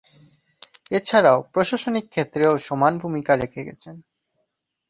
এছাড়াও, প্রশাসনিক ক্ষেত্রেও সমান ভূমিকা রেখে গেছেন।